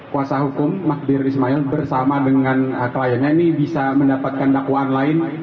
kuasa hukum magdir ismail bersama dengan kliennya ini bisa mendapatkan dakwaan lain